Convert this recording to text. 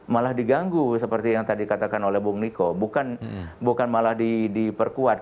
malah diganggu seperti yang tadi katakan oleh bung niko bukan malah diperkuat